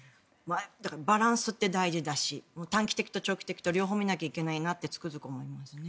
だから、バランスって大事だし短期的と長期的と両方見なきゃいけないなってつくづく思います。